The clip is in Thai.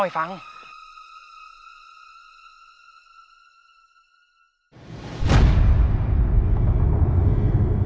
มึงถึงเป็นชัด